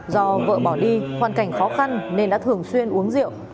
do vợ bỏ đi hoàn cảnh khó khăn nên đã thường xuyên uống rượu